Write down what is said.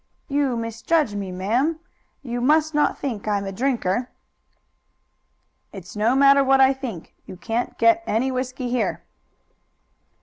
"You misjudge me, madam. You must not think I am a drinker." "It's no matter what I think. You can't get any whisky here."